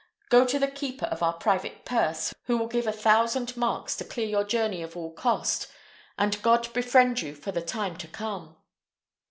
Go to the keeper of our private purse, who will give a thousand marks to clear your journey of all cost; and God befriend you for the time to come!"